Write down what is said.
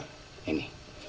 jadi pada awalnya memang